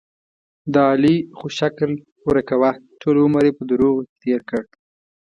د علي خو شکل ورکوه، ټول عمر یې په دروغو کې تېر کړ.